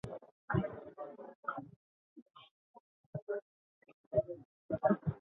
Bere kiroletako karrera Belgikan jarraituko zuen.